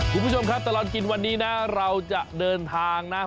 คุณผู้ชมครับตลอดกินวันนี้นะเราจะเดินทางนะ